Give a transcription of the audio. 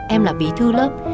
em là bí thư lớp